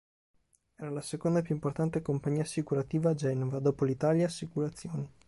Era la seconda più importante compagnia assicurativa a Genova, dopo l'Italia Assicurazioni.